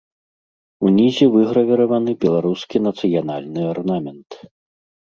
Унізе выгравіраваны беларускі нацыянальны арнамент.